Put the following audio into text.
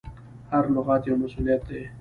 هر لغت یو مسؤلیت دی.